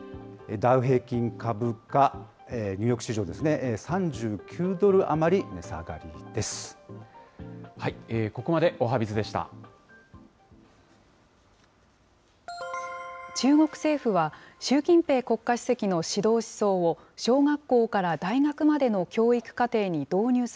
ダウ平均株価、ニューヨーク市場ですね、３９ドル余り値下がりです。